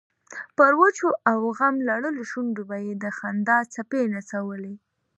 پر وچو او غم لړلو شونډو به یې د خندا څپې نڅولې.